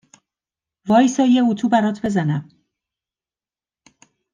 وایسا یه اتو برات بزنم